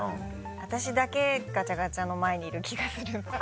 私だけガチャガチャの前にいる気がする。